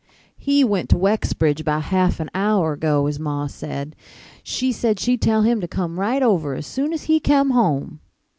"He went to Wexbridge about half an hour ago, his ma said. She said she'd tell him to come right over as soon as he kem home."